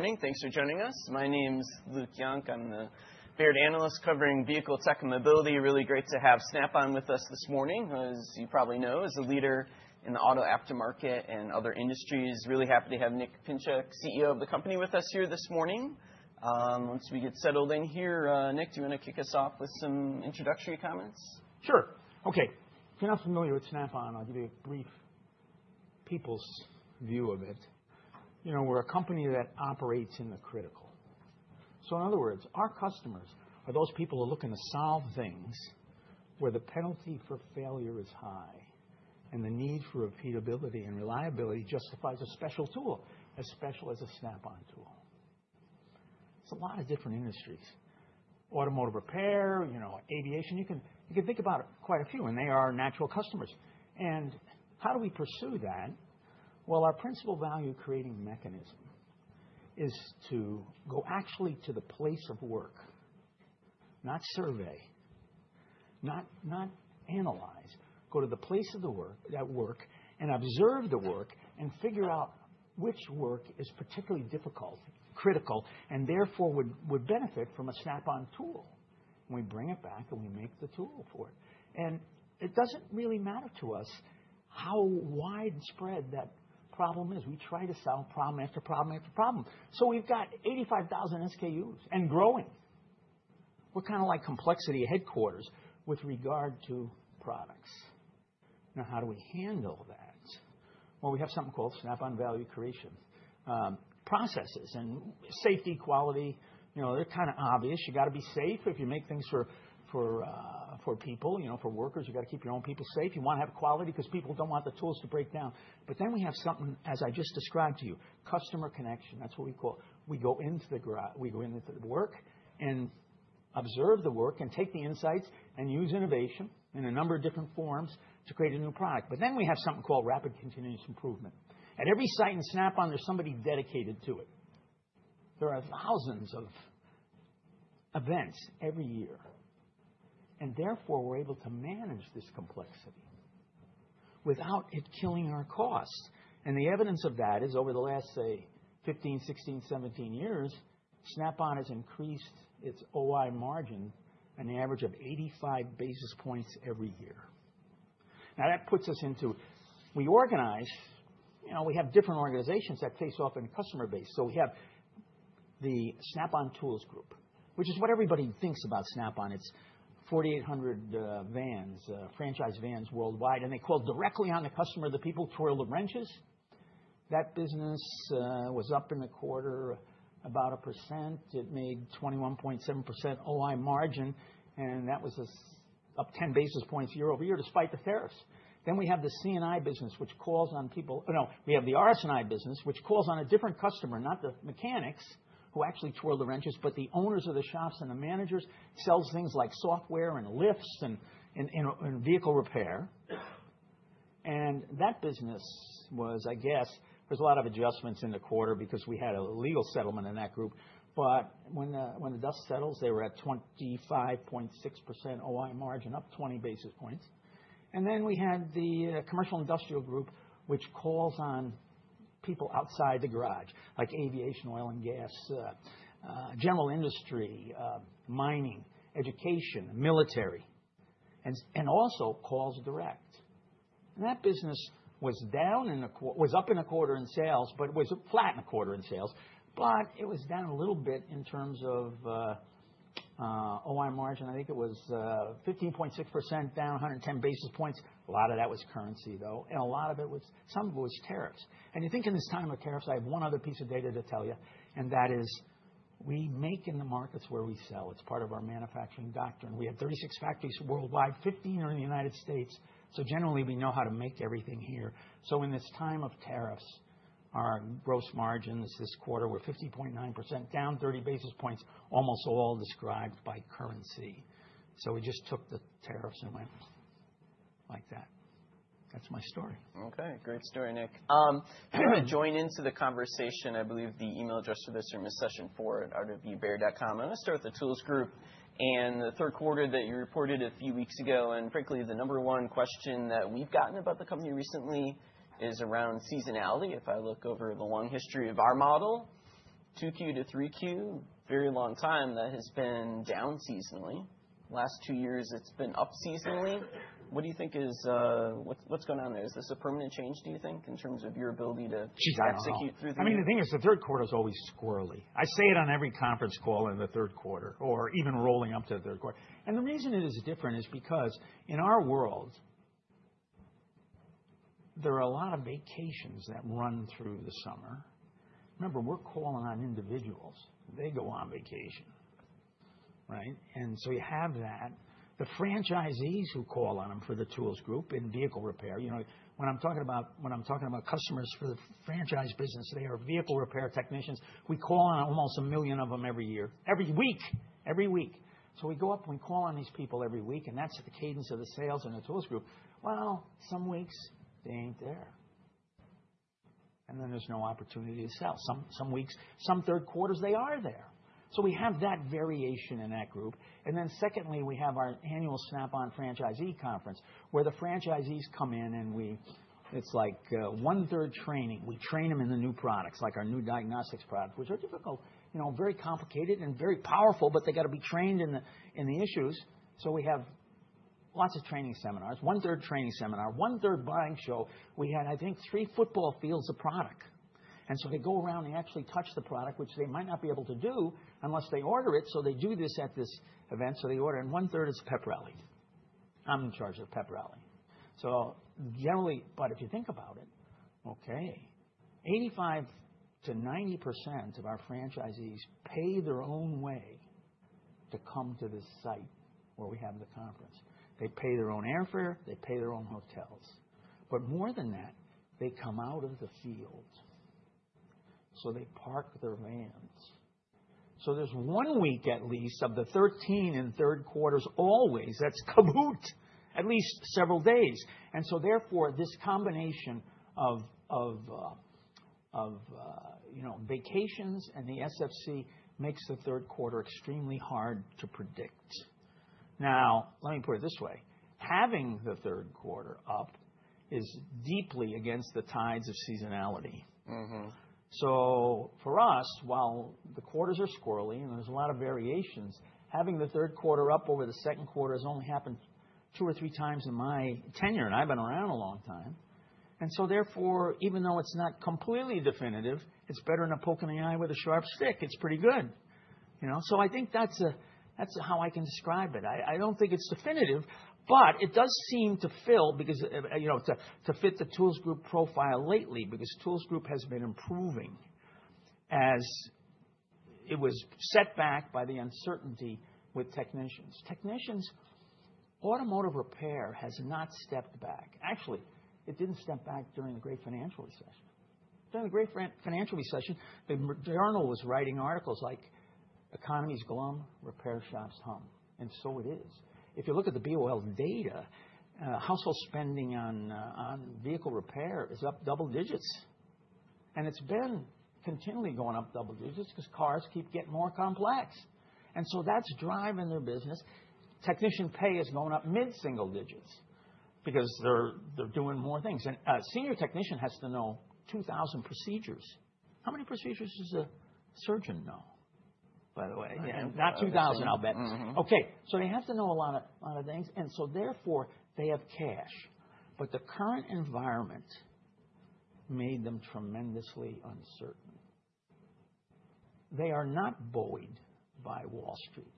Good morning. Thanks for joining us. My name is Luke Junk. I'm the Baird analyst covering Vehicle Tech and Mobility. Really great to have Snap-on with us this morning, as you probably know, is a leader in the auto aftermarket and other industries. Really happy to have Nick Pinchuk, CEO of the company with us here this morning. Once we get settled in here, Nick, do you want to kick us off with some introductory comments? Sure. Okay. If you're not familiar with Snap-on, I'll give you a brief people's view of it. We're a company that operates in the critical. So in other words, our customers are those people who are looking to solve things, where the penalty for failure is high and the need for repeatability and reliability justifies a special tool, as special as a Snap-on tool. It's a lot of different industries, automotive repair, aviation, you can think about quite a few, and they are natural customers. And how do we pursue that? Well, our principal value-creating mechanism is to go actually to the place of work, not survey, not analyze, go to the place of the work -- that work and observe the work and figure out which work is particularly difficult, critical and therefore, would benefit from a Snap-on tool. We bring it back and we make the tool for it. And it doesn't really matter to us how widespread that problem is. We try to solve problem after problem after problem. So we've got 85,000 SKUs and growing. We're kind of like complexity headquarters with regard to products. Now how do we handle that? Well, we have something called Snap-on Value Creation, processes and safety, quality, they're kind of obvious. You got to be safe if you make things for people, for workers, you got to keep your own people safe. You want to have quality because people don't want the tools to break down. But then we have something, as I just described to you, customer connection. That's what we call. We go into the work and observe the work and take the insights and use innovation in a number of different forms to create a new product. But then we have something called Rapid Continuous Improvement. At every site in Snap-on, there's somebody dedicated to it. There are thousands of events every year. And therefore, we're able to manage this complexity, without it killing our costs. And the evidence of that is over the last, say, 15, 16, 17 years, Snap-on has increased its OI margin, an average of 85 basis points every year. Now that puts us into -- we organize -- we have different organizations that face off in customer base. So we have the Snap-on Tools Group, which is what everybody thinks about Snap-on. It's 4,800 vans, franchise vans worldwide, and they call directly on the customer, the people turn the wrenches, that business was up in the quarter about 1%. It made 21.7% OI margin, and that was up 10 basis points year-over-year despite the tariffs. Then we have the C&I business, which calls on people -- no, we have the RS&I business, which calls on a different customer, not the mechanics who actually turn the wrenches, but the owners of the shops and the managers, sells things like software and lifts in vehicle repair. And that business was, I guess, there's a lot of adjustments in the quarter because we had a legal settlement in that group. But when the dust settles, they were at 25.6% OI margin, up 20 basis points. And then we had the Commercial Industrial Group, which calls on people outside the garage, like aviation, oil and gas, general industry, mining, education, military and also calls direct. That business was down -- was up in the quarter in sales, but was flat in the quarter in sales. But it was down a little bit in terms of OI margin. I think it was 15.6%, down 110 basis points. A lot of that was currency, though, and a lot of it was -- some of it was tariffs. And you think in this time of tariffs, I have one other piece of data to tell you, and that is we make in the markets where we sell. It's part of our manufacturing doctrine. We have 36 factories worldwide, 15 are in the United States. So generally, we know how to make everything here. So in this time of tariffs, our gross margins this quarter were 50.9%, down 30 basis points, almost all described by currency. So we just took the tariffs and went like that. That's my story Okay. Great story, Nick. Join into the conversation, I believe the e-mail address for this room is session4@rwbaird.com. I'm going to start with the Tools Group. And the third quarter that you reported a few weeks ago, and frankly, the #1 question that we've gotten about the company recently is around seasonality. If I look over the long history of our model, 2Q to 3Q, very long time that has been down seasonally. Last 2 years, it's been up seasonally. What do you think is -- what's going on there? Is this a permanent change, do you think, in terms of your ability to execute through that? I don't know. I mean the thing is the third quarter is always squirrely. I say it on every conference call in the third quarter or even rolling up to the third quarter. And the reason it is different is, because in our world, there are a lot of vacations that run through the summer. Remember, we're calling on individuals. They go on vacation. right? And so you have that. The franchisees who call on them for the Tools Group in vehicle repair. When I'm talking about customers for the franchise business, they are vehicle repair technicians. We call on almost 1 million of them every year, every week, every week. So we go up and we call on these people every week, and that's the cadence of the sales in the Tools Group. Well, some weeks, they aren't there. And then there's no opportunity to sell. Some weeks, some third quarters, they are there. So we have that variation in that group. And then secondly, we have our Annual Snap-on Franchisee Conference, where the franchisees come in and we -- it's like a third training. We train them in the new products like our new diagnostics product, which are difficult, very complicated and very powerful, but they got to be trained in the issues. So we have lots of training seminars, a third training seminar, third buying show. We had, I think, three football fields of product. And so they go around, they actually touch the product, which they might not be able to do unless they order it. So they do this at this event, so they order and third is pep rally. I'm in charge of pep rally. So generally -- but if you think about it, okay, 85% to 90% of our franchisees pay their own way to come to the site where we have the conference. They pay their own airfare, they pay their own hotels. But more than that, they come out of the field. So they park their vans. So there's 1 week at least of the 13 in third quarters always that's kaput, at least several days. And so therefore, this combination of vacations and the SFC makes the third quarter extremely hard to predict. Now let me put it this way, having the third quarter up is deeply against the tides of seasonality. So for us, while the quarters are squirrely and there's a lot of variations, having the third quarter up over the second quarter has only happened 2 or 3 times in my tenure, and I've been around a long time. And so therefore, even though it's not completely definitive, it's better than a poking the eye with a sharp stick, it's pretty good. So I think that's how I can describe it. I don't think it's definitive, but it does seem to fill because -- to fit the Tools Group profile lately because Tools Group has been improving, as it was set back by the uncertainty with technicians. Technicians, automotive repair has not stepped back. Actually, it didn't step back during the Great Financial Recession. During the Great Financial Recession, the Journal was writing articles like economies glum, repair shops hum. And so it is. If you look at the BLS data, household spending on vehicle repair is up double-digits. And it's been continually going up double-digits because cars keep getting more complex. And so that's driving their business. Technician pay is going up mid-single digits because they're doing more things. And a senior technician has to know 2,000 procedures. How many procedures does a surgeon know? By the way... Not 2,000, I bet. Okay. So they have to know a lot of things. And so therefore, they have cash. But the current environment made them tremendously uncertain. They are not buoyed by Wall Street.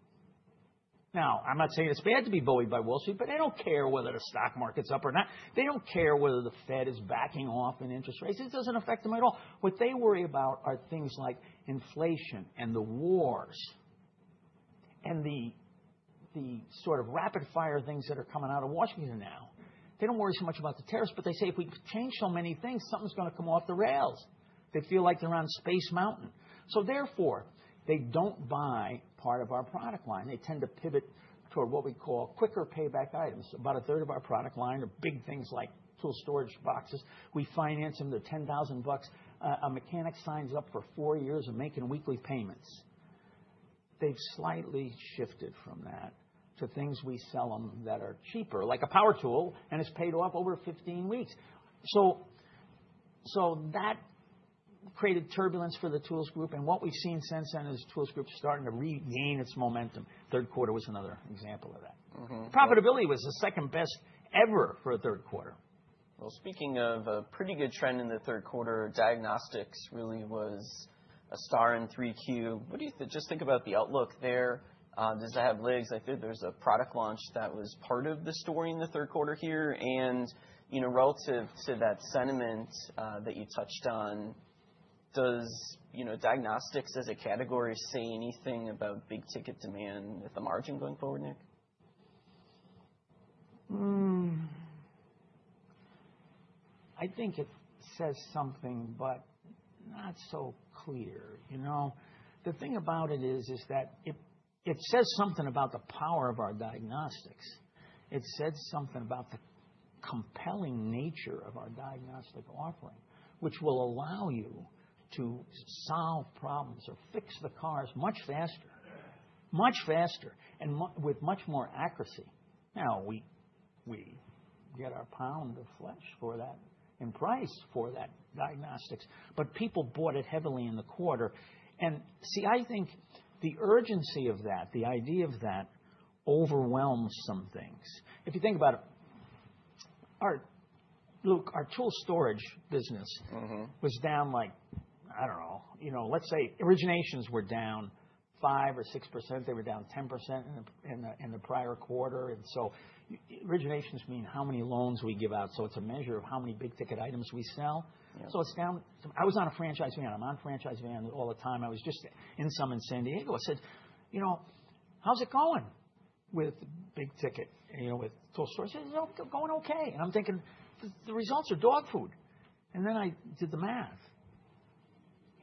Now I'm not saying it's bad to be buoyed by Wall Street, but they don't care whether the stock market is up or not. They don't care whether the Fed is backing off in interest rates. It doesn't affect them at all. What they worry about are things like inflation and the wars and the sort of rapid fire things that are coming out of Washington now. They don't worry so much about the tariffs, but they say if we change so many things, something is going to come off the rails. They feel like they're on Space Mountain. So therefore, they don't buy part of our product line. They tend to pivot toward what we call quicker payback items. About third of our product line are big things like tool storage boxes. We finance them the $10,000, a mechanic signs up for 4 years of making weekly payments. They've slightly shifted from that to things we sell them that are cheaper, like a power tool and it's paid off over 15 weeks. So that created turbulence for the Tools Group. And what we've seen since then as Tools Group is starting to regain its momentum. Third quarter was another example of that. Profitability was the second best ever for the third quarter. Well, speaking of a pretty good trend in the third quarter, diagnostics really was a star in 3Q. What do you just think about the outlook there? Does it have legs? I think there's a product launch that was part of the story in the third quarter here. And relative to that sentiment that you touched on, does diagnostics as a category say anything about big-ticket demand and the margin going forward, Nick? I think it says something but not so clear. The thing about it is that it says something about the power of our diagnostics. It says something about the compelling nature of our diagnostic offering, which will allow you to solve problems or fix the cars much faster, much faster and with much more accuracy. Now we get our pound of flesh for that and price for that diagnostics, but people bought it heavily in the quarter. And see, I think the urgency of that, the idea of that overwhelms some things. If you think about it, Luke, our Tool Storage business was down like, I don't know, let's say, originations were down 5% or 6%. They were down 10% in the prior quarter. And so originations mean how many loans we give out, so it's a measure of how many big-ticket items we sell. So it's down -- I was on a franchise van. I'm on franchise van all the time. I was just meeting someone in San Diego. I said, how is it going with big ticket tool storage? He said it is going okay. And I'm thinking the results are dog food. And then I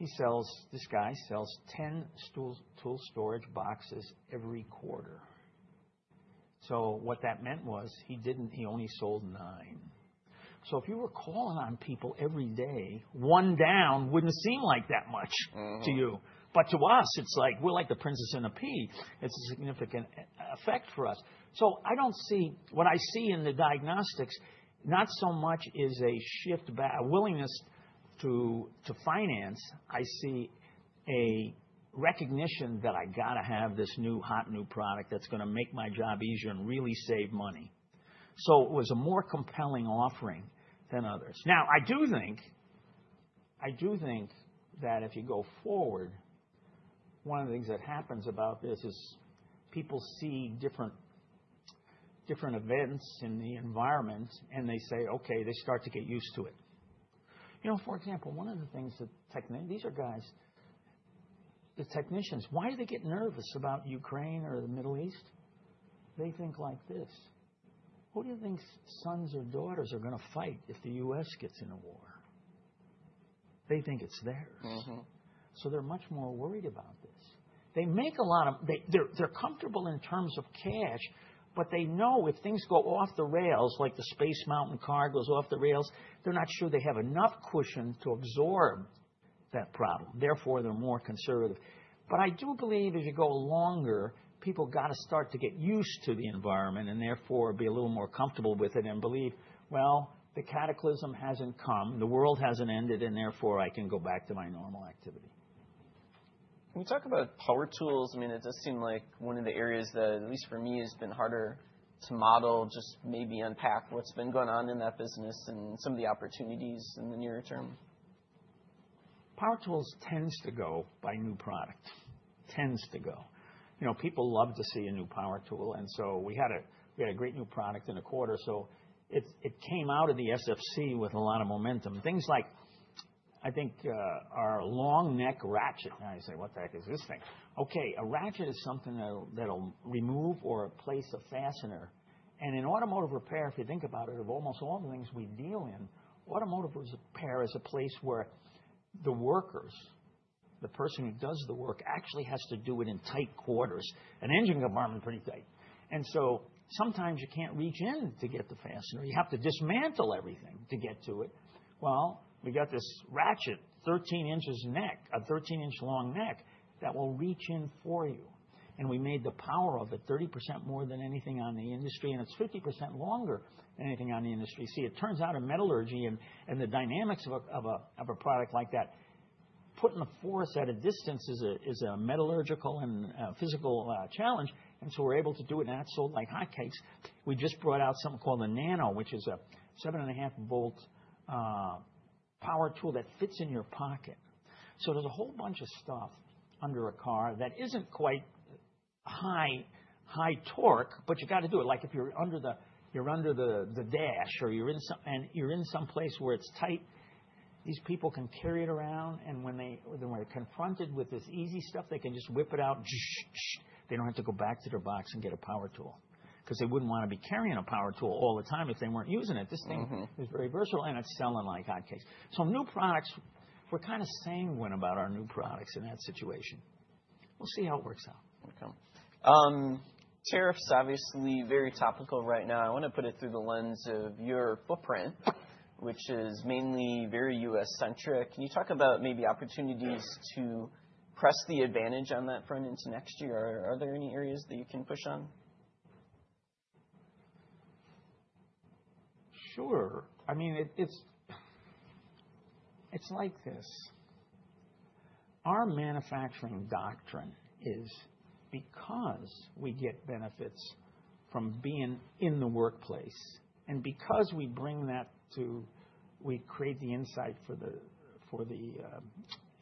did the math. He sells -- this guy sells 10 Tool Storage Boxes every quarter. So what that meant was he didn't -- he only sold 9. So if you were calling on people every day, one down wouldn't seem like that much to you. But to us, it's like -- we're like the Princess and the Pea, it's a significant effect for us. So I don't see -- what I see in the diagnostics, not so much is a shift -- a willingness to finance. I see a recognition that I got to have this new hot new product that's going to make my job easier and really save money. So it was a more compelling offering than others. Now I do think that if you go forward, one of the things that happens about this is people see different events in the environment and they say, okay, they start to get used to it. For example, one of the things that -- these are guys, the technicians, why do they get nervous about Ukraine or the Middle East? They think like this What do you think sons or daughters are going to fight if the U.S. gets in a war? They think it's theirs. So they're much more worried about this. They make a lot of -- they're comfortable in terms of cash, but they know if things go off the rails like the space mountain car goes off the rails, they're not sure they have enough cushion to absorb that problem. Therefore, they're more conservative. But I do believe as you go longer, people got to start to get used to the environment and therefore, be a little more comfortable with it and believe, well, the cataclysm hasn't come. The world hasn't ended, and therefore, I can go back to my normal activity. Can we talk about power tools? I mean, it does seem like one of the areas that, at least for me, has been harder to model, just maybe unpack what's been going on in that business and some of the opportunities in the near term? Power tools tends to go by new product, tends to go. You know, people love to see a new power tool, and so we had a great new product in the quarter, so it came out of the SFC with a lot of momentum. Things like, I think, our long neck ratchet. Now, you say, what the heck is this thing? Okay, a ratchet is something that'll remove or replace a fastener. And in automotive repair, if you think about it, of almost all the things we deal in, automotive repair is a place where the workers, the person who does the work, actually has to do it in tight quarters. An engine compartment is pretty tight, and so sometimes you can't reach in to get the fastener. You have to dismantle everything to get to it. We've got this ratchet, 13-inch neck, a 13-inch long neck that will reach in for you. We made the power of it 30% more than anything in the industry. It's 50% longer than anything in the industry. See, it turns out the metallurgy and the dynamics of a product like that, putting the force at a distance, is a metallurgical and physical challenge. We're able to do it. That's sold like hotcakes. We just brought out something called the Nano, which is a 7.5V power tool that fits in your pocket. There's a whole bunch of stuff under a car that isn't quite high torque, but you've got to do it. Like if you're under the dash or you're in some place where it's tight, these people can carry it around. And when they're confronted with this easy stuff, they can just whip it out. They don't have to go back to their box and get a power tool because they wouldn't want to be carrying a power tool all the time if they weren't using it. This thing is very versatile. And it's selling like hotcakes. So new products, we're kind of sanguine about our new products in that situation. We'll see how it works out. Okay. Tariffs are obviously very topical right now. I want to put it through the lens of your footprint, which is mainly very U.S.-centric. Can you talk about maybe opportunities to press the advantage on that front into next year? Are there any areas that you can push on? Sure. I mean, it's like this. Our manufacturing doctrine is because we get benefits from being in the workplace and because we bring that to we create the insight for the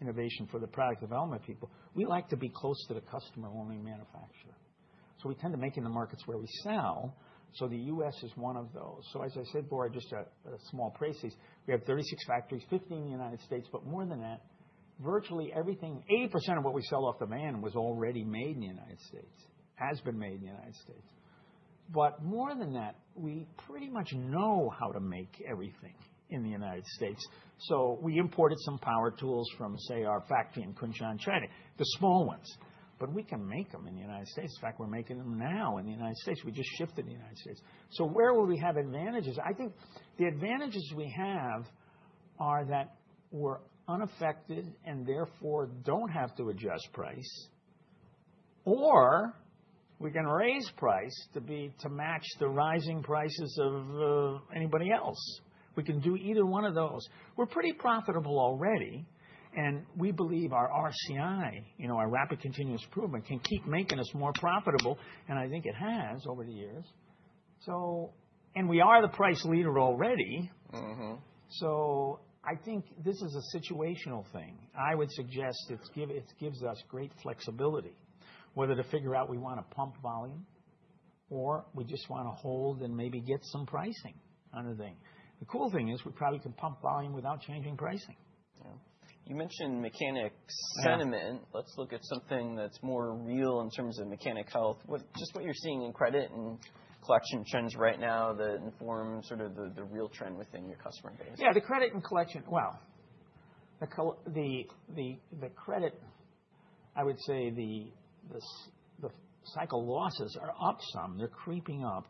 innovation for the product development people. We like to be close to the customer when we manufacture. So we tend to make in the markets where we sell. So the U.S. is one of those. So as I said, for just a small price case, we have 36 factories, 15 in the United States. But more than that, virtually everything, 80% of what we sell off the van was already made in the United States, has been made in the United States. But more than that, we pretty much know how to make everything in the United States. So we imported some power tools from, say, our factory in Kunshan, China, the small ones. But we can make them in the United States. In fact, we're making them now in the United States. We just shifted the United States. So where will we have advantages? I think the advantages we have are that we're unaffected and therefore don't have to adjust price. Or we can raise price to match the rising prices of anybody else. We can do either one of those. We're pretty profitable already. And we believe our RCI, you know, our Rapid Continuous Improvement can keep making us more profitable. And I think it has over the years. And we are the price leader already. So I think this is a situational thing. I would suggest it gives us great flexibility, whether to figure out we want to pump volume or we just want to hold and maybe get some pricing on the thing. The cool thing is we probably can pump volume without changing pricing. You mentioned mechanic sentiment. Let's look at something that's more real in terms of mechanic health, just what you're seeing in credit and collection trends right now that inform sort of the real trend within your customer base. Yeah, the credit and collection. Well, the credit, I would say the cycle losses are up some. They're creeping up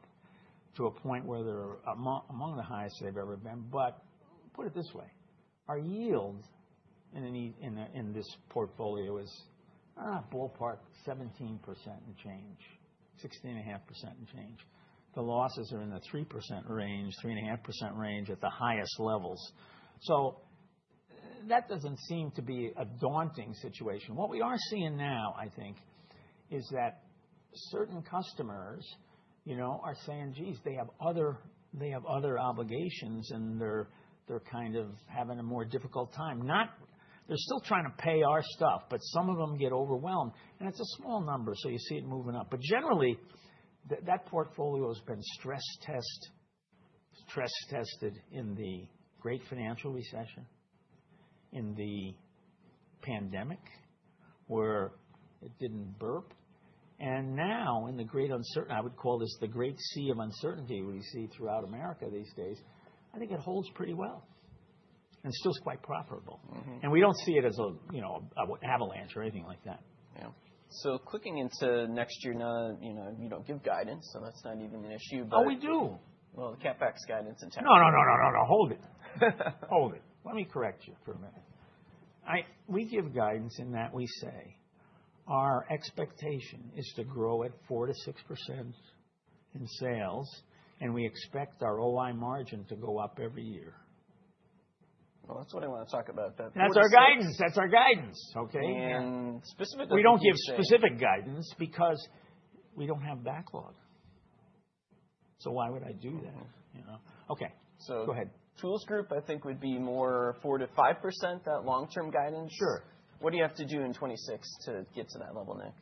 to a point where they're among the highest they've ever been. But put it this way, our yield in this portfolio is ballpark 17% and change, 16.5% and change. The losses are in the 3% range, 3.5% range at the highest levels. So that doesn't seem to be a daunting situation. What we are seeing now, I think, is that certain customers, you know, are saying, geez, they have other obligations and they're kind of having a more difficult time. They're still trying to pay our stuff. But some of them get overwhelmed. And it's a small number. So you see it moving up. But generally, that portfolio has been stress tested in the Great Financial Recession, in the pandemic, where it didn't burp. And now in the great uncertainty, I would call this the great sea of uncertainty we see throughout America these days, I think it holds pretty well. And it's still quite profitable. And we don't see it as an avalanche or anything like that. Yeah. So clicking into next year, you don't give guidance. So that's not even an issue. Oh, we do. Well, the CapEx guidance and tax guidance. No, no, no, no, no, hold it. Hold it. Let me correct you for a minute. We give guidance in that we say our expectation is to grow at 4%-6% in sales. And we expect our OI margin to go up every year. That's what I want to talk about. That's our guidance. That's our guidance. We don't give specific guidance because we don't have backlog. So why would I do that? You know? Okay, go ahead. Tools Group, I think, would be more 4%-5%, that long-term guidance. Sure. What do you have to do in 2026 to get to that level, Nick?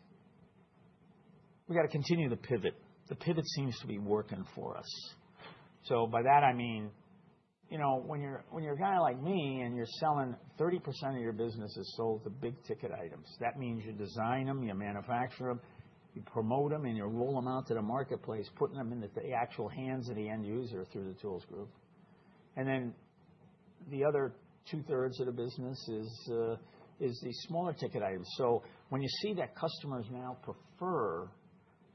We've got to continue the pivot. The pivot seems to be working for us, so by that, I mean, you know, when you're a guy like me and you're selling 30% of your business is sold to big-ticket items, that means you design them, you manufacture them, you promote them, and you roll them out to the marketplace, putting them into the actual hands of the end user through the Tools Group, and then the other two-thirds of the business is the smaller-ticket items, so when you see that customers now prefer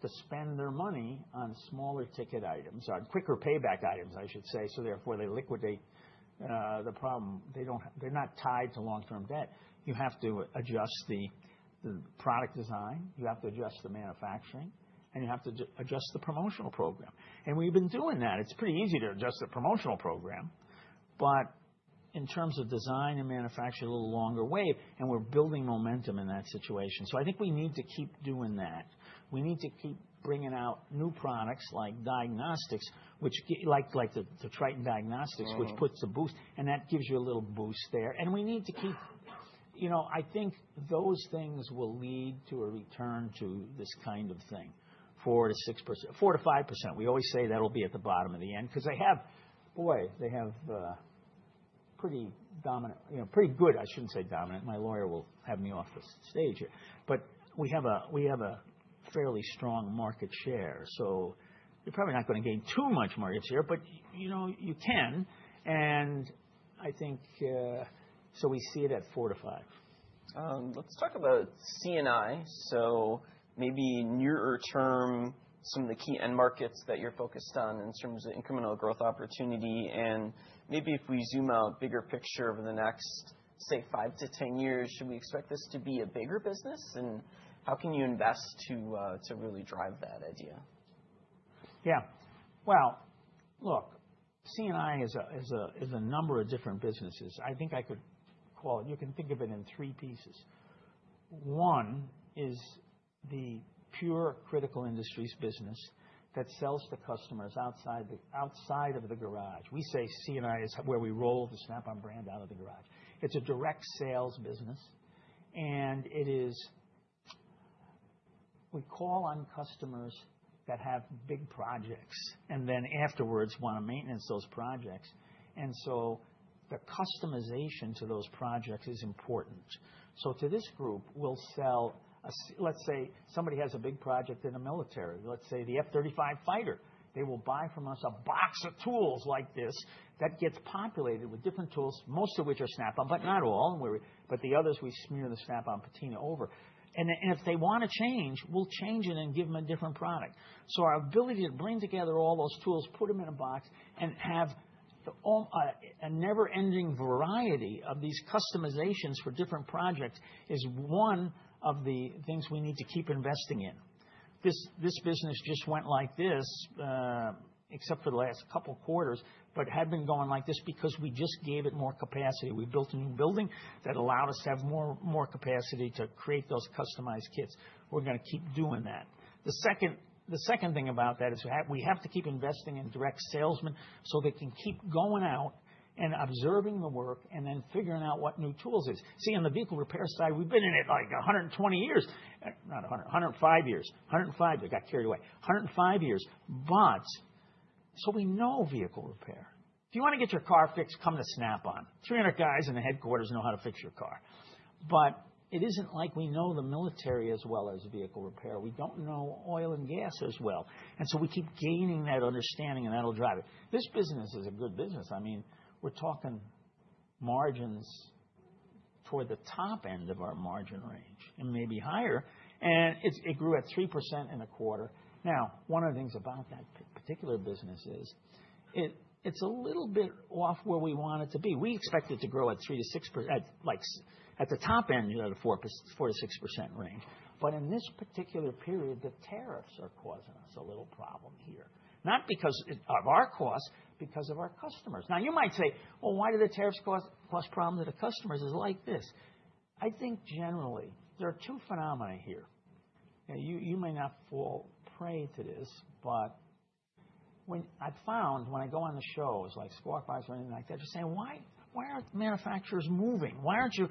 to spend their money on smaller-ticket items, on quicker payback items, I should say, so therefore they liquidate the problem, they're not tied to long-term debt. You have to adjust the product design. You have to adjust the manufacturing, and you have to adjust the promotional program, and we've been doing that. It's pretty easy to adjust the promotional program, but in terms of design and manufacturing, a little longer wave. We're building momentum in that situation. I think we need to keep doing that. We need to keep bringing out new products like diagnostics, like the Triton diagnostics, which puts a boost. That gives you a little boost there. We need to keep, you know, I think those things will lead to a return to this kind of thing, 4%-5%. We always say that'll be at the bottom of the end because they have, boy, they have pretty dominant, you know, pretty good. I shouldn't say dominant. My lawyer will have me off the stage here, but we have a fairly strong market share. You're probably not going to gain too much market share, but you know, you can. I think so we see it at 4%-5%. Let's talk about C&I. So maybe nearer term, some of the key end markets that you're focused on in terms of incremental growth opportunity. And maybe if we zoom out, bigger picture over the next, say, five to 10 years, should we expect this to be a bigger business? And how can you invest to really drive that idea? Yeah. Well, look, C&I is a number of different businesses. I think I could call it you can think of it in three pieces. One is the pure critical industries business that sells to customers outside of the garage. We say C&I is where we roll the Snap-on brand out of the garage. It's a direct sales business. And it is we call on customers that have big projects and then afterwards want to maintain those projects. And so the customization to those projects is important. So to this group, we'll sell a, let's say, somebody has a big project in the military, let's say the F-35 fighter. They will buy from us a box of tools like this that gets populated with different tools, most of which are Snap-on, but not all. But the others, we smear the Snap-on patina over. If they want to change, we'll change it and give them a different product. Our ability to bring together all those tools, put them in a box, and have a never-ending variety of these customizations for different projects is one of the things we need to keep investing in. This business just went like this, except for the last couple of quarters, but had been going like this because we just gave it more capacity. We built a new building that allowed us to have more capacity to create those customized kits. We're going to keep doing that. The second thing about that is we have to keep investing in direct salesmen so they can keep going out and observing the work and then figuring out what new tools is. See, on the vehicle repair side, we've been in it like 120 years, not 100, 105 years. 105, they got carried away, 105 years. But so we know vehicle repair. If you want to get your car fixed, come to Snap-on. 300 guys in the headquarters know how to fix your car. But it isn't like we know the military as well as vehicle repair. We don't know oil and gas as well. And so we keep gaining that understanding. And that'll drive it. This business is a good business. I mean, we're talking margins toward the top end of our margin range and maybe higher. And it grew at 3% in the quarter. Now, one of the things about that particular business is it's a little bit off where we want it to be. We expect it to grow at 3%-6%, like at the top end, you know, the 4%-6% range. But in this particular period, the tariffs are causing us a little problem here, not because of our costs, because of our customers. Now, you might say, well, why do the tariffs cause problems at the customers? It's like this. I think generally, there are two phenomena here. You may not fall prey to this. But I've found when I go on the shows, like Squawk Box or anything like that, they're saying, why aren't manufacturers moving? Why don't you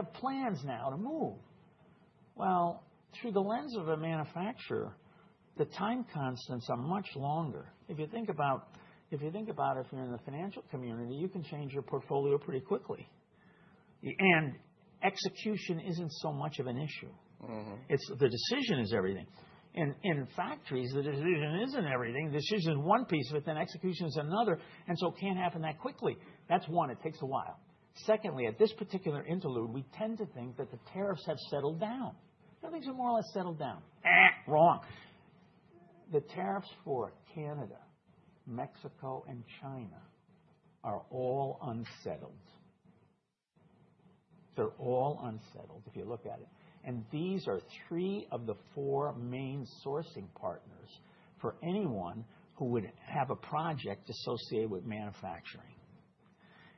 have plans now to move? Well, through the lens of a manufacturer, the time constants are much longer. If you think about if you're in the financial community, you can change your portfolio pretty quickly. And execution isn't so much of an issue. The decision is everything. In factories, the decision isn't everything. The decision is one piece, but then execution is another. And so it can't happen that quickly. That's one. It takes a while. Secondly, at this particular interlude, we tend to think that the tariffs have settled down. I think they're more or less settled down. Wrong. The tariffs for Canada, Mexico, and China are all unsettled. They're all unsettled if you look at it. And these are three of the four main sourcing partners for anyone who would have a project associated with manufacturing.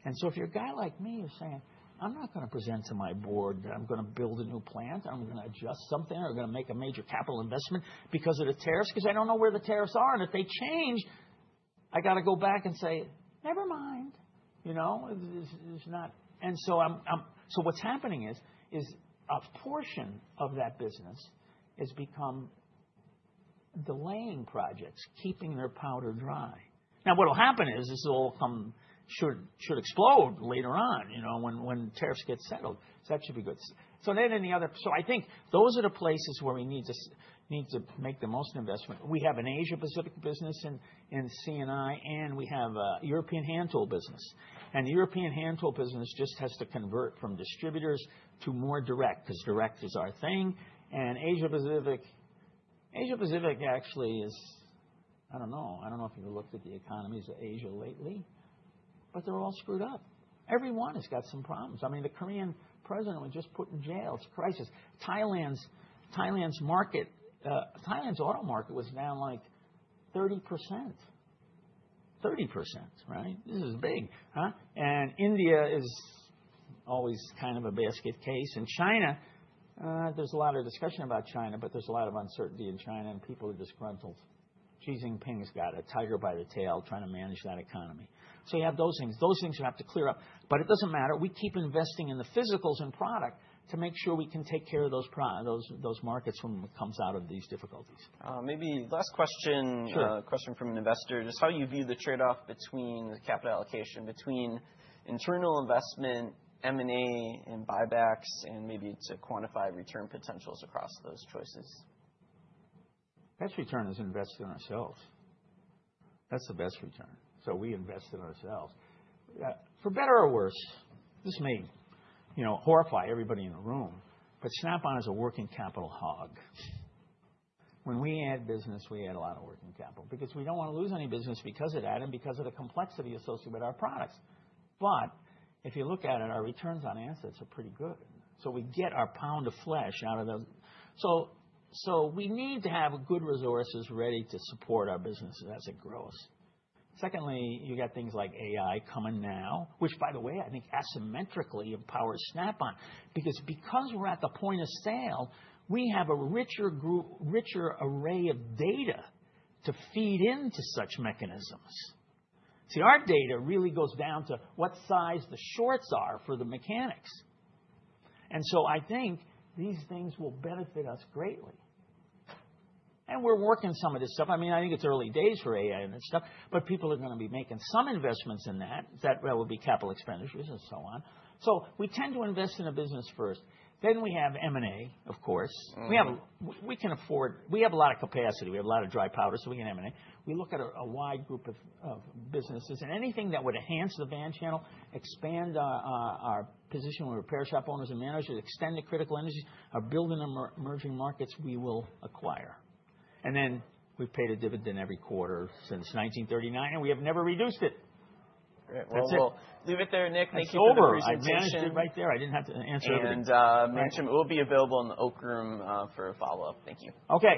And so if you're a guy like me, you're saying, I'm not going to present to my board that I'm going to build a new plant. I'm going to adjust something or going to make a major capital investment because of the tariffs, because I don't know where the tariffs are. And if they change, I've got to go back and say, never mind. You know? And so, what's happening is a portion of that business has become delaying projects, keeping their powder dry. Now, what will happen is this will all come should explode later on, you know, when tariffs get settled. So that should be good. So then in the other, so I think those are the places where we need to make the most investment. We have an Asia-Pacific business in C&I. And we have a European hand tool business. And the European hand tool business just has to convert from distributors to more direct because direct is our thing. And Asia-Pacific, Asia-Pacific actually is, I don't know. I don't know if you've looked at the economies of Asia lately. But they're all screwed up. Every one has got some problems. I mean, the Korean president was just put in jail. It's a crisis. Thailand's auto market was down like 30%. 30%, right? This is big, and India is always kind of a basket case, and China, there's a lot of discussion about China, but there's a lot of uncertainty in China, and people are disgruntled. Xi Jinping has got a tiger by the tail trying to manage that economy, so you have those things. Those things have to clear up, but it doesn't matter. We keep investing in the physicals and product to make sure we can take care of those markets when it comes out of these difficulties. Maybe last question, question from an investor, just how you view the trade-off between the capital allocation between internal investment, M&A, and buybacks, and maybe to quantify return potentials across those choices? Best return is investing in ourselves. That's the best return. So we invest in ourselves. For better or worse, this may horrify everybody in the room. But Snap-on is a working capital hog. When we add business, we add a lot of working capital because we don't want to lose any business because of that and because of the complexity associated with our products. But if you look at it, our returns on assets are pretty good. So we get our pound of flesh out of those. So we need to have good resources ready to support our business as it grows. Secondly, you've got things like AI coming now, which, by the way, I think asymmetrically empowers Snap-on. Because we're at the point of sale, we have a richer array of data to feed into such mechanisms. See, our data really goes down to what size the shorts are for the mechanics. And so I think these things will benefit us greatly. And we're working some of this stuff. I mean, I think it's early days for AI and this stuff. But people are going to be making some investments in that. That will be capital expenditures and so on. So we tend to invest in a business first. Then we have M&A, of course. We can afford, we have a lot of capacity. We have a lot of dry powder. So we can M&A. We look at a wide group of businesses. And anything that would enhance the van channel, expand our position with repair shop owners and managers, extend the critical industries, or build in emerging markets, we will acquire. And then we've paid a dividend every quarter since 1939. We have never reduced it. That's it. Leave it there, Nick. Thank you for your presentation. It's over. I managed it right there. I didn't have to answer everything. Management will be available in the Oak Room for a follow-up. Thank you. Okay.